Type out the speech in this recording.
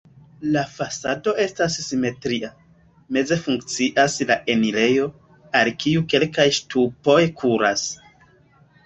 La fasado estas simetria, meze funkcias la enirejo, al kiu kelkaj ŝtupoj kuras.